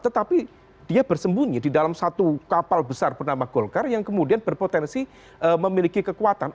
tetapi dia bersembunyi di dalam satu kapal besar bernama golkar yang kemudian berpotensi memiliki kekuatan